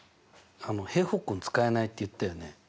「平方根使えない」って言ったよね？